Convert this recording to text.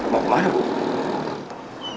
mau kemana bu